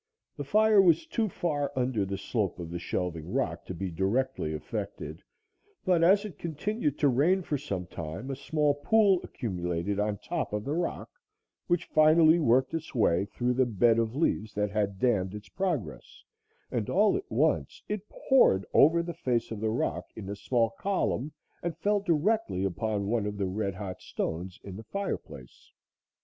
The fire was too far under the slope of the shelving rock to be directly affected, but as it continued to rain for some time, a small pool accumulated on top of the rock, which finally worked its way through the bed of leaves that had dammed its progress and, all at once, it poured over the face of the rock in a small column and fell directly upon one of the red hot stones in the fire place.